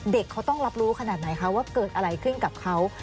เด็กเขาต้องรับรู้ขนาดไหนคะว่าเกิดอะไรขึ้นกับเขา